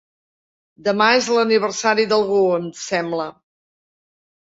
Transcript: Demà és l'aniversari d'algú, em sembla.